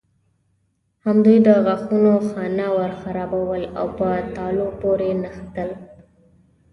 همدوی د غاښونو خانه ورخرابول او په تالو پورې نښتل.